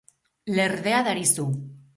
Lerdea darizu.